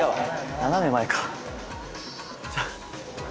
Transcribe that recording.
斜め前か。